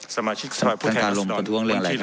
สมาชิกสรรพุทธแครมสตรอน